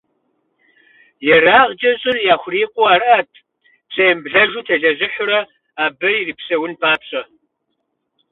ЕрагъкӀэ щӏыр яхурикъуу арат, псэемыблэжу телэжьыхьурэ абы ирипсэун папщӀэ.